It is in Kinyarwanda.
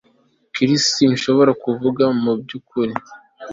Chris sinshobora kuvuga mubyukuri